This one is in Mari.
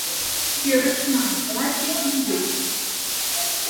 Сӧрышна: лач ик ий гыч